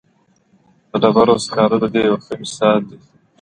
د ډبرو سکاره د دې یو ښه مثال دی.